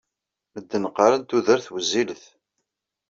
Medden qqaren tudert wezzilet.